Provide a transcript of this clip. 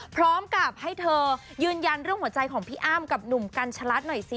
พร้อมกับให้เธอยืนยันเรื่องหัวใจของพี่อ้ำกับหนุ่มกัญชลัดหน่อยสิ